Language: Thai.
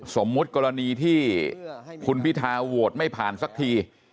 สมมุติกรณีที่คุณพิทาโหวตไม่ผ่านสักที